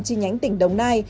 chi nhánh tỉnh đồng nai